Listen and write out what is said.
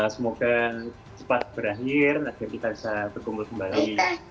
semoga cepat berakhir agar kita bisa berkumpul kembali